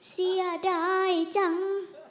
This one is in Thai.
เสียดายจัง